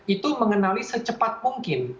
itu mengenali secepat mungkin